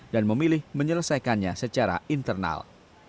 dan memilih menyelesaikannya secara internal